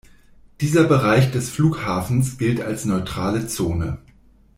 Dieser Bereich des Flughafens gilt als neutrale Zone.